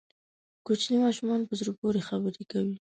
کوچنی ماشوم په زړه پورې خبرې کوي.